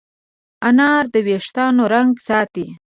انار د وېښتانو رنګ ساتي.